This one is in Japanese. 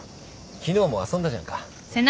昨日も遊んだじゃんか。